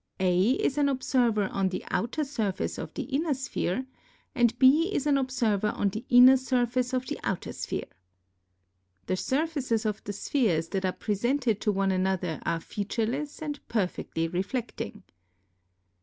A is an observer on the outer surface of the inner sphere and B is an observer on the inner surface of the outer sphere. The surfaces of the spheres that are presented to one another are featureless and perfectly reflecting.